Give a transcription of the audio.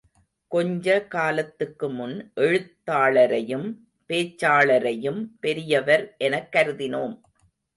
கொஞ்ச காலத்துக்குமுன் எழுத்தாளரையும் பேச்சாளரையும் பெரியவர் எனக் கருதினோம்.